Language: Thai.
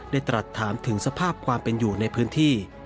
ตรัสถามถึงสภาพความเป็นอยู่ในพื้นที่